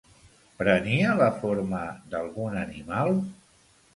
Prenia la forma d'algun animal?